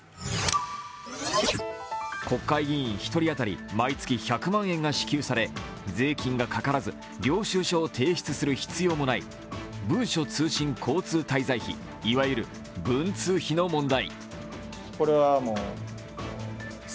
国会議員１人当たり毎月１００万円が支給され税金がかからず領収書を提出する必要もない文書通信交通滞在費、いわゆる文通費の問題。